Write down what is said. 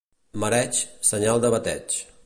Mareig, senyal de bateig.